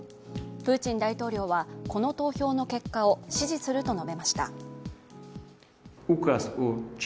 プーチン大統領はこの投票の結果を支持すると述べました。